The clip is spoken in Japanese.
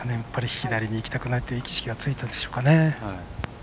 左にいきたくないって意識がついたでしょうか。